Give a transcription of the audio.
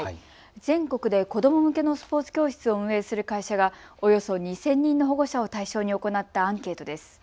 全国で子ども向けのスポーツ教室を運営する会社がおよそ２０００人の保護者を対象に行ったアンケートです。